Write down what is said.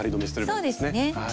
そうですね。